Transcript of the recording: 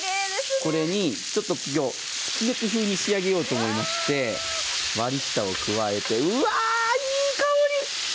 これにすき焼き風に仕上げようと思いまして割り下を加えて、うわー、いい香り。